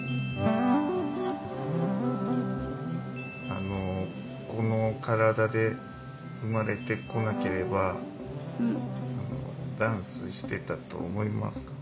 あのこの身体で生まれてこなければダンスしてたと思いますか？